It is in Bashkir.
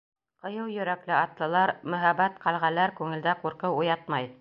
Ҡыйыу йөрәкле атлылар, мөһабәт ҡәлғәләр күңелдә ҡурҡыу уятмай.